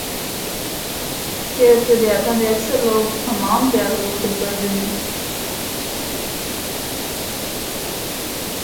شہر تے دیہاتاں دے اکثر لوگ حمام تے آ کے غسل کردے ہن۔